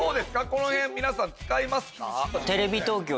この辺皆さん使いますか？